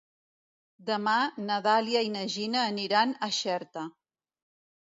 Demà na Dàlia i na Gina aniran a Xerta.